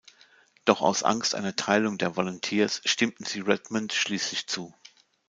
Doch aus Angst einer Teilung der Volunteers stimmten sie Redmond schließlich zu.